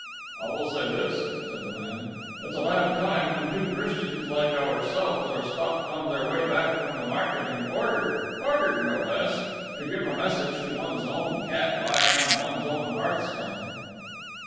"I will say this," said the man; "it's a bad time when two Christians like ourselves are stopped on their way back from the market and ordered ordered, no less to give a message to one's own cat lying on one's own hearthstone."